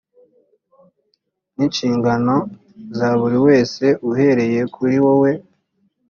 ni inshingano za buri wese uhereye kuri wowe